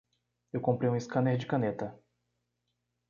Eu comprei um scanner de caneta.